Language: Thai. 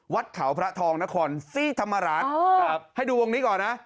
วัดเขาพระทองนครซี่ธรรมราชให้ดูวงนี้ก่อนนะ